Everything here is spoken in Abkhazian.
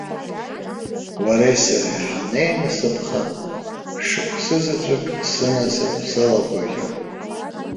Уареи сареи ҳанеинасыԥха, шықәсызаҵәык сынасыԥ салагәырӷьон.